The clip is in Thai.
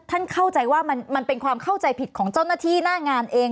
เข้าใจว่ามันเป็นความเข้าใจผิดของเจ้าหน้าที่หน้างานเอง